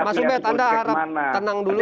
mas ubed anda harap tenang dulu